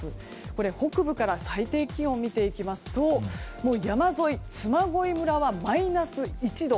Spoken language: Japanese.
これ北部から最低気温見ていきますと山沿い、嬬恋村はマイナス１度。